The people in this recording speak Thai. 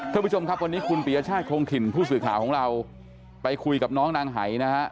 ท่านผู้ชมครับวันนี้คุณปียชาติคงถิ่นผู้สื่อข่าวของเราไปคุยกับน้องนางหายนะฮะ